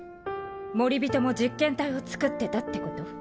モリビトも実験体をつくってたってこと？